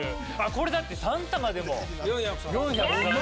これだって３玉でも４３０円。